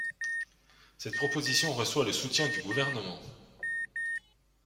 Cette proposition reçoit le soutien du gouvernement.